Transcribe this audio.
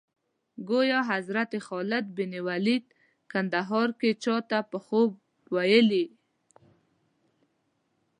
ګویا حضرت خالد بن ولید کندهار کې چا ته په خوب ویلي.